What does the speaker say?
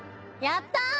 やったー！